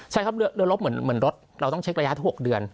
ใช่ครับเรือลบเหมือนรถเราต้องเช็คระยะทุก๖เดือน